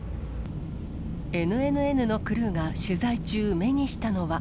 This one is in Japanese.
ＮＮＮのクルーが取材中、目にしたのは。